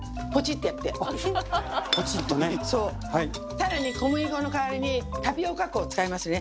更に小麦粉の代わりにタピオカ粉を使いますね。